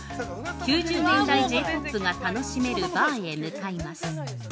９０年代Ｊ−ポップが楽しめるバーへ向かいます。